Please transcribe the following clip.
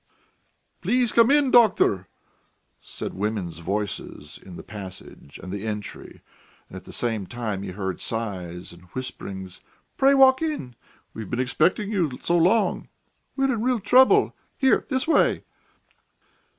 "Please come in, doctor," said women's voices in the passage and the entry, and at the same time he heard sighs and whisperings. "Pray walk in.... We've been expecting you so long ... we're in real trouble. Here, this way."